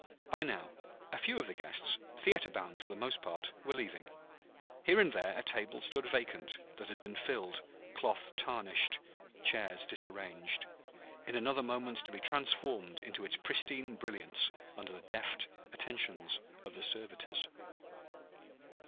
By now, a few of the guests, theater bound, for the most part, were leaving. Here and there a table stood vacant, that had been filled, cloth tarnished, chairs disarranged: in another moment to be transformed into its pristine brilliance under the deft attentions of the servitors.